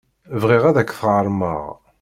Bɣiɣ ad ak-t-ɣermeɣ.